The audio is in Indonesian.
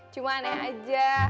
cuma aneh aja